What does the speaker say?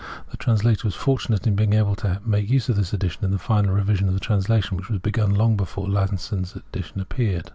The translator was fortunate in being able to make use of this edition in the final revision of the translation, which was begun long bef^)re Lasson's edition appeared.